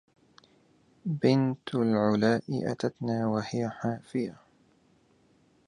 بنت العلاء أتتنا وهي حافية